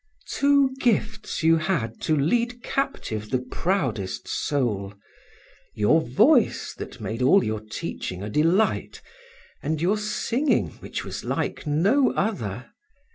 Two gifts you had to lead captive the proudest soul, your voice that made all your teaching a delight, and your singing, which was like no other.